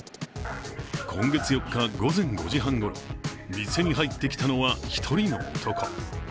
今月４日、午前５時半ごろ、店に入ってきたのは、一人の男。